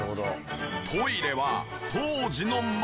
トイレは当時のまま。